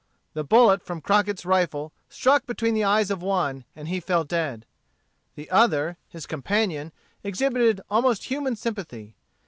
The bullet from Crockett's rifle struck between the eyes of one, and he fell dead. The other, his companion, exhibited almost human sympathy.